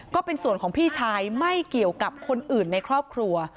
ก็เป็นส่วนของพี่ชายไม่เกี่ยวกับคนอื่นในครอบครัว